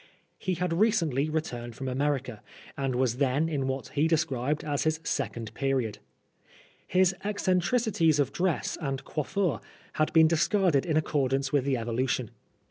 He had recently returned from America, and was then in what he described as his second period. His eccentricities of dress and coiffure had been discarded in accordance * with the evolution.